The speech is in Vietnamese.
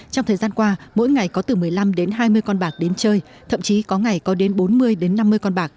trong thời gian qua mỗi ngày có từ một mươi năm đến hai mươi con bạc đến chơi thậm chí có ngày có đến bốn mươi đến năm mươi con bạc